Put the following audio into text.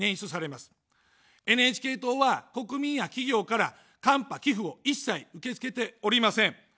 ＮＨＫ党は国民や企業からカンパ、寄付を一切受け付けておりません。